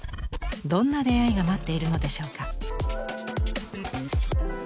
どんな出会いが待っているのでしょうか。